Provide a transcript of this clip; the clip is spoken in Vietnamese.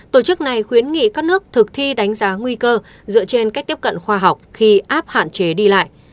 tổ chức này khuyến nghị các nước thực thi đánh giá nguy cơ dựa trên cách tiếp cận khoa học khi app hạn chế đi lại